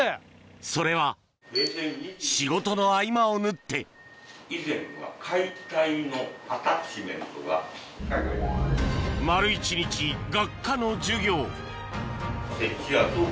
それは仕事の合間を縫って丸一日学科の授業